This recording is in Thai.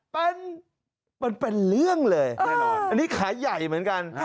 มันเป็นเรื่องเลยอันนี้ขายใหญ่เหมือนกัน